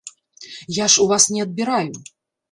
Я ж у вас не адбіраю.